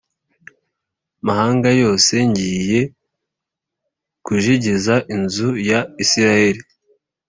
mahanga yose ngiye kujegeza inzu ya israheli,